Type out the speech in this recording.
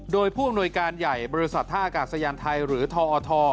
โดยผู้อำนวยการใหญ่บริษัทท่าอากาศยานไทยหรือทอท